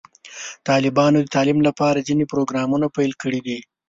طالبانو د تعلیم لپاره ځینې پروګرامونه پیل کړي دي.